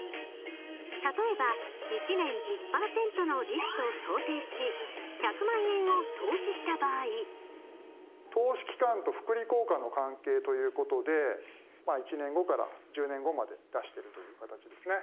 例えば１年１０％の利子と想定し１００万円を投資した場合投資期間と複利効果の関係ということで１年後から１０年後まで出してるという形ですね。